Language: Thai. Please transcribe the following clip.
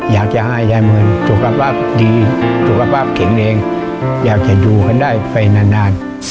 อยากจะให้ยายเหมือนสุขภาพดีสุขภาพแข็งเองอยากจะอยู่กันได้ไปนาน